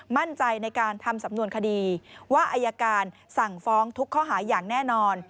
มั่นใจในการทำสำนวนคดีว่าอายการสั่งฟ้องทุกข้อหาอย่างแน่นอน